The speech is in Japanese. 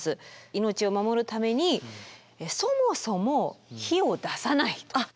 命を守るためにそもそも火を出さないということ。